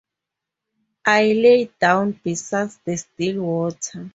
I lay down beside the still water.